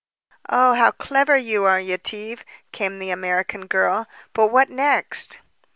"Oh, how clever you are, Yetive," came from the American girl. "But what next?"